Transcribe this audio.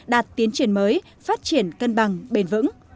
đạt tiến triển mới phát triển cân bằng bền vững